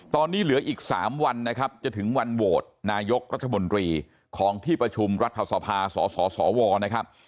ตอนนี้เหลืออีก๓วันนะครับจะถึงวันโหวตนายกรัฐมนตรีของที่ประชุมรัฐสภาสสวนะครับ